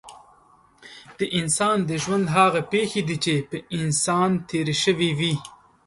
د انسان د ژوند هغه پېښې دي چې په انسان تېرې شوې وي.